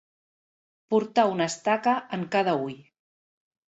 Portar una estaca en cada ull.